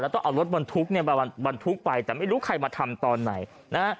แล้วต้องเอารถบนทุกข์ไปแต่ไม่รู้ใครมาทำตอนไหน